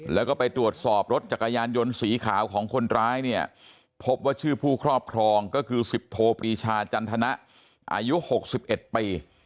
แล้วก็ไปตรวจสอบรถจักรยานยนต์สีขาวของคนร้ายเนี่ยพบว่าชื่อผู้ครอบครองก็คือ๑๐โทปรีชาจันทนะอายุ๖๑ปี